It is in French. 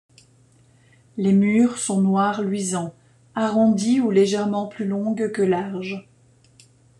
Les mûres sont noir luisant, arrondies ou légèrement plus longues que larges.